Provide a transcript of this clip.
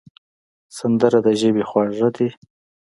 سندره د ژبې خواږه ده